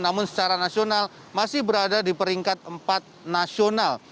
namun secara nasional masih berada di peringkat empat nasional